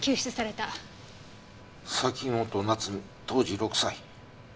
崎本菜津美当時６歳。